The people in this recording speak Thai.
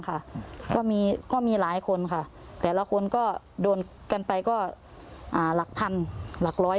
ก็มีก็มีหลายคนค่ะแต่ละคนก็โดนกันไปก็หลักพันหลักร้อย